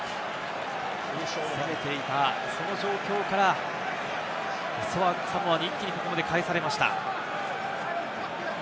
攻めていったその状況からサモアに一気に返されました。